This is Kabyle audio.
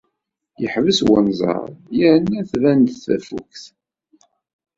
Yeḥbes unẓar yernu tban-d tafukt.